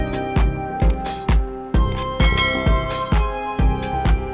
saya berharap saya mungkin bisa berjalan